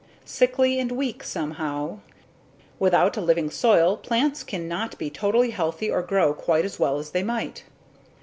Sickly and weak somehow. Without a living soil, plants can not be totally healthy or grow quite as well as they might.